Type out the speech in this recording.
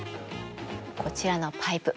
こちらのパイプ。